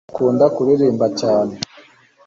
akunda kuririmba cyane